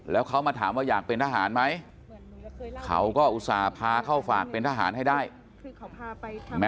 แล้วเขามาถามว่าอยากเป็นทหารไหม